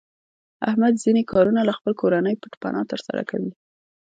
احمد ځنې کارونه له خپلې کورنۍ پټ پناه تر سره کوي.